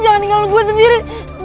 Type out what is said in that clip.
jangan tinggal gue sendiri